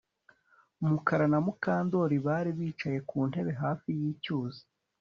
Mukara na Mukandoli bari bicaye ku ntebe hafi yicyuzi